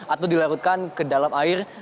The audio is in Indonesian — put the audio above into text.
atau dilarutkan ke dalam air